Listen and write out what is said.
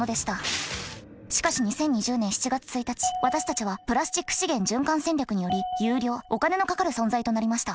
しかし２０２０年７月１日私たちはプラスチック資源循環戦略により有料お金のかかる存在となりました。